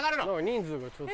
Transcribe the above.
人数がちょっと。